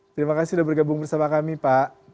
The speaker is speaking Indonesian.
terima kasih sudah bergabung bersama kami pak